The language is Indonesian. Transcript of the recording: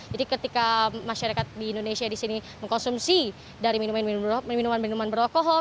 jadi ketika masyarakat di indonesia di sini mengkonsumsi dari minuman minuman beralkohol